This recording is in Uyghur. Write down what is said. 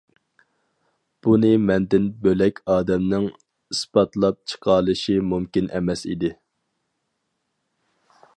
بۇنى مەندىن بۆلەك ئادەمنىڭ ئىسپاتلاپ چىقالىشى مۇمكىن ئەمەس ئىدى.